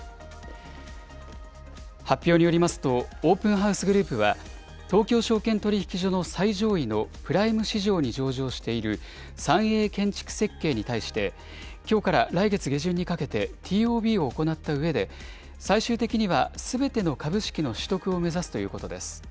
発表によりますと、オープンハウスグループは、東京証券取引所の最上位のプライム市場に上場している三栄建築設計に対して、きょうから来月下旬にかけて、ＴＯＢを行ったうえで、最終的にはすべての株式の取得を目指すということです。